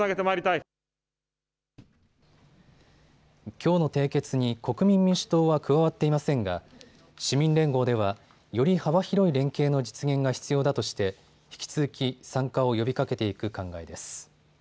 きょうの締結に国民民主党は加わっていませんが市民連合ではより幅広い連携の実現が必要だとして引き続き参加を呼びかけていく考えです。